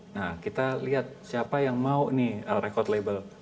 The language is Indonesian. nah kita lihat siapa yang mau nih record label